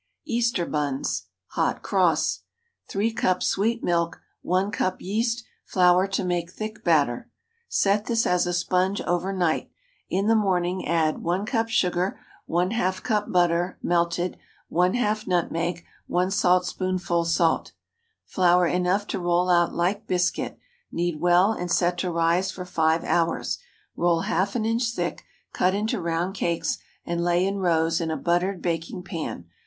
EASTER BUNS ("Hot Cross.") ✠ 3 cups sweet milk. 1 cup yeast. Flour to make thick batter. Set this as a sponge over night. In the morning add— 1 cup sugar. ½ cup butter, melted. ½ nutmeg. 1 saltspoonful salt. Flour enough to roll out like biscuit. Knead well, and set to rise for five hours. Roll half an inch thick, cut into round cakes, and lay in rows in a buttered baking pan.